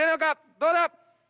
どうだ。